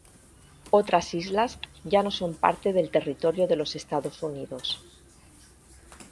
Otras islas ya no son parte del territorio de los Estados Unidos.